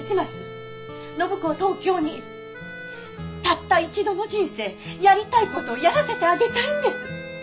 たった一度の人生やりたいことやらせてあげたいんです！